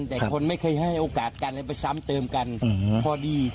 แต่คนไม่เคยให้โอกาสกันเลยไปซ้ำเติมกันพอดี